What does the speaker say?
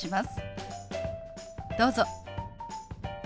どうぞ。